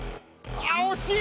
あぁ惜しい。